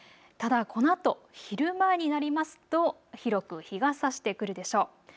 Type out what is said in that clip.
ただこのあと昼前になりますと広く日がさしてくるでしょう。